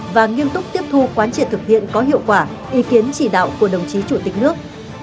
và nghiêm túc tiếp thu quán triệt thực hiện có hiệu quả ý kiến chỉ đạo của đồng chí chủ tịch nước